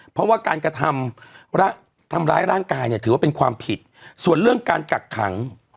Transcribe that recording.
เพราะว่าการกระทำทำร้ายร่างกายเนี่ยถือว่าเป็นความผิดส่วนเรื่องการกักขัง